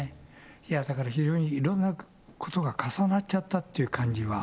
いや、だから非常にいろんなことが重なっちゃったっていう感じは。